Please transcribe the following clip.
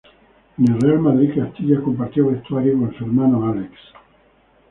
En el Real Madrid Castilla compartió vestuario con su hermano Álex.